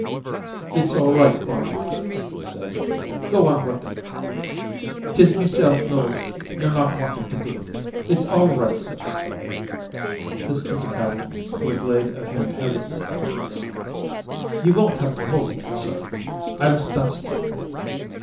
"It's all right, Gorman," he said. "Go on with ut. 'Tis meself knows yer not wantin' to do ut. It's all right, sir" this to the captain, who had laid a hand heavily on his arm. "Ye won't have to hold me, sir. I'll stand still."